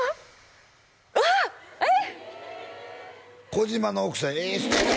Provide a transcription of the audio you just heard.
児嶋の奥さんええ人やな